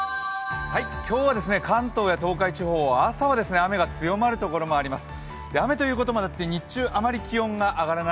今日は関東や東海地方は朝は雨が強まる所もあります。